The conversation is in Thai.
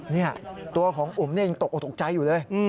นี่ตัวของอุ๋มยังตกออกตกใจอยู่เลย